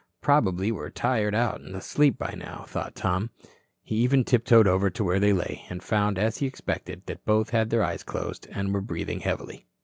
Probably were tired out and asleep by now, thought Tom. He even tiptoed over to where they lay and found, as he had expected, that both had their eyes closed and were breathing heavily.